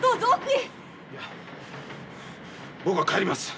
いや僕は帰ります。